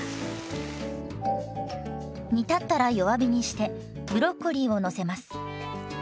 煮立ったら弱火にしてブロッコリーをのせます。